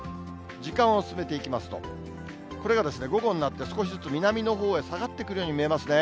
時間を進めていきますと、これがですね、午後になって、少しずつ南のほうへ下がってくるように見えますね。